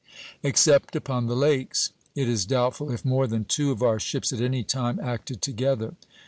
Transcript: Except upon the lakes, it is doubtful if more than two of our ships at any time acted together.